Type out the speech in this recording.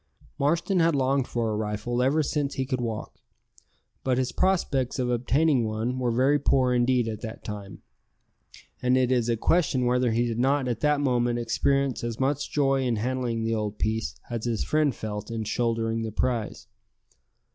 Marston had longed for a rifle ever since he could walk; but his prospects of obtaining one were very poor indeed at that time, and it is a question whether he did not at that moment experience as much joy in handling the old piece as his friend felt in shouldering the prize.